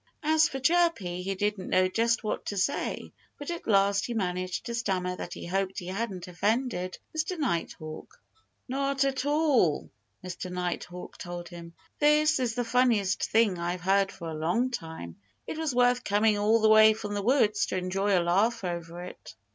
As for Chirpy, he didn't know just what to say. But at last he managed to stammer that he hoped he hadn't offended Mr. Nighthawk. "Not at all!" Mr. Nighthawk told him. "This is the funniest thing I've heard for a long time. It was worth coming all the way from the woods to enjoy a laugh over it."